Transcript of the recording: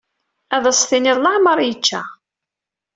Ad as-tiniḍ leɛmer yečča.